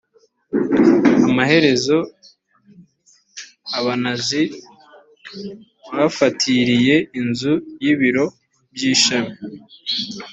amaherezo abanazi bafatiriye inzu y ibiro by ishami